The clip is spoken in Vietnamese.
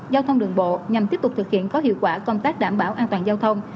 giao thông đường bộ nhằm tiếp tục thực hiện có hiệu quả công tác đảm bảo an toàn giao thông